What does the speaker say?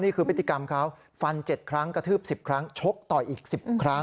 พฤติกรรมเขาฟัน๗ครั้งกระทืบ๑๐ครั้งชกต่อยอีก๑๐ครั้ง